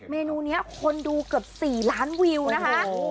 เมนูนี้คนดูเกือบ๔ล้านวิวนะคะ